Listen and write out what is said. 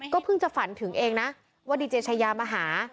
เพิ่งจะฝันถึงเองนะว่าดีเจชายามาหา